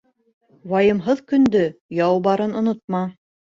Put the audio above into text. Вайымһыҙ көндө яу барын онотма.